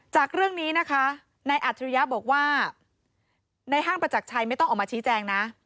จากเรื่องนี้นะคะนายอัจฉริยะบอกว่าในห้างประจักรชัยไม่ต้องออกมาชี้แจงนะ